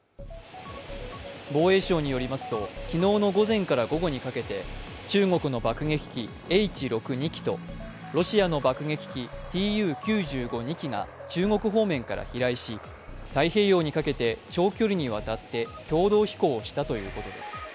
防衛省によりますと昨日の午前から午後にかけて中国の爆撃機Ｈ−６、２機とロシアの爆撃機、Ｔｕ−９５、２機が中国方面から飛来し、太平洋にかけて長距離にわたって共同飛行をしたということです。